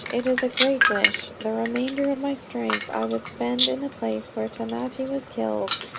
It is a great wish. The remainder of my strength I would spend in the place where Tamate was killed.